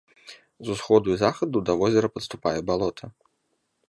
З усходу і захаду да возера падступае балота.